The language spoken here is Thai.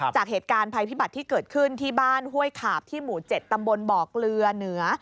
จากเหตุการณ์ภัยพิบัติที่เกิดขึ้นที่บ้านห้วยขาบที่หมู่๗ตำบลบ่อเกลือเหนือ